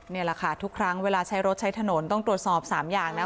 นี่แหละค่ะทุกครั้งเวลาใช้รถใช้ถนนต้องตรวจสอบ๓อย่างนะ